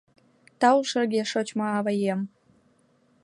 — Тау, шерге шочмо аваем!